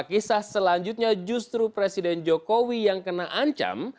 kisah selanjutnya justru presiden jokowi yang kena ancam